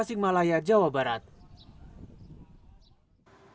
singmalaya jawa barat di indonesia